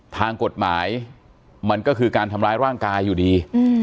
ทางกฎหมายมันก็คือการทำร้ายร่างกายอยู่ดี